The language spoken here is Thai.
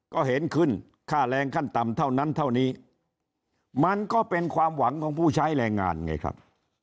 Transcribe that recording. ก็เห็นขึ้นค่าแรงขั้นต่ำเท่านั้นเท่านี้มันก็เป็นความหวังของผู้ใช้แรงงานไงครับ